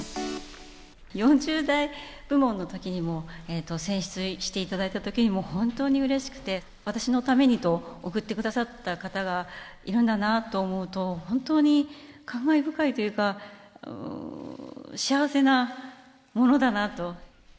４０代部門のときにも選出していただいたときにも、本当にうれしくて、私のためにと贈ってくださった方がいるんだなと思うと、本当に感慨深いというか、幸せなものだなと。